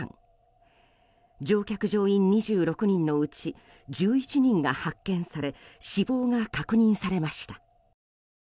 乗客・乗員２６人のうち１１人が発見され死亡が確認されました。